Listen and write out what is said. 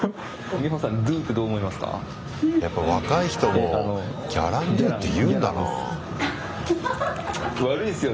やっぱり若い人も「ギャランドゥ」って言うんだな。